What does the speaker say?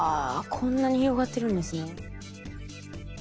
こんなに広がってるんですね。